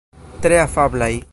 Tre afablaj.